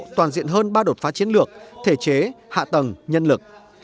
toàn diện hơn ba đột phá chiến lược thể chế hạ tầng nhân lực